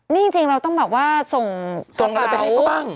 นี่จริงเราต้องส่งระเป๋า